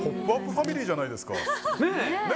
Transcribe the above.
ファミリーじゃないですか。